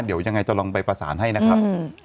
เดี๋ยวยังไงจะลองไปประสานให้นะครับ